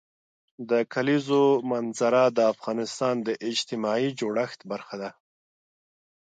د کلیزو منظره د افغانستان د اجتماعي جوړښت برخه ده.